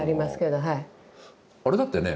あれだってね